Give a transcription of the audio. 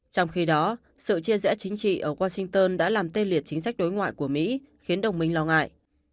trong khi đó sự chia rẽ chính trị ở washington đã làm tê liệt chính sách đối ngoại của mỹ khiến đồng minh lo ngại